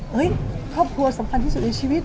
ครอบครัวสำคัญที่สุดในชีวิต